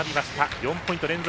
４ポイント連続